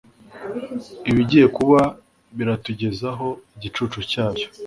Ibigiye kuba biratugezaho igicucu cyabyo.